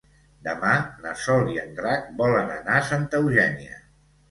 Demà na Sol i en Drac volen anar a Santa Eugènia.